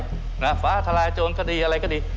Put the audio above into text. เพราะภาษาแหลจ